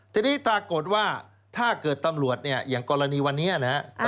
ทีนี้ถ้าเกิดว่าถ้าเกิดตำรวจอย่างกรณีวันนี้นะครับ